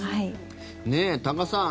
多賀さん